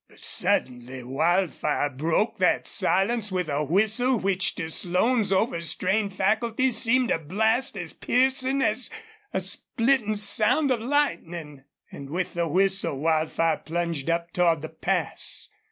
But suddenly Wildfire broke that silence with a whistle which to Slone's overstrained faculties seemed a blast as piercing as the splitting sound of lightning. And with the whistle Wildfire plunged up toward the pass.